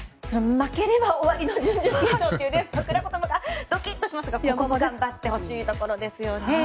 負ければ終わりの準々決勝という枕詞がドキッとしますがここも頑張ってほしいところですよね。